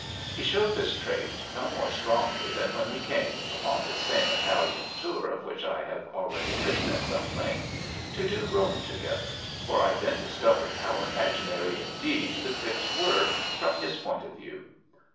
He showed this trait no more strongly than when we came, upon this same Italian tour of which I have already written at some length, to do Rome together, for I then discovered how imaginary indeed the trips were from his point of view.